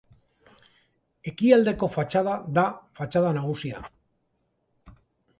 Ekialdeko fatxada da fatxada nagusia.